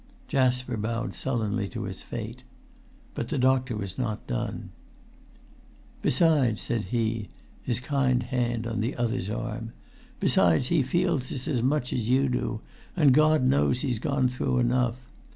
Jasper bowed sullenly to his fate. But the doctor was not done. "Besides," said he, his kind hand on the other's arm; "besides, he feels this as much as you do, and[Pg 290] God knows he's gone through enough!